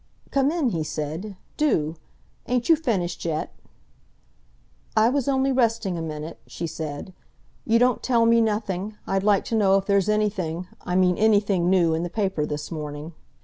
"Come in," he said, "do! Ain't you finished yet?" "I was only resting a minute," she said. "You don't tell me nothing. I'd like to know if there's anything—I mean anything new—in the paper this morning."